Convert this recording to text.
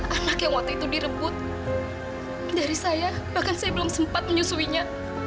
anak yang waktu itu direbut dari saya bahkan saya belum sempat menyusuinya